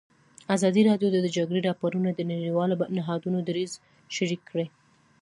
ازادي راډیو د د جګړې راپورونه د نړیوالو نهادونو دریځ شریک کړی.